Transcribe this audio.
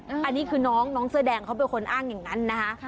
อันนี้คือน้องเสื้อแดงเขาเป็นคนอ้างอย่างนั้นนะคะ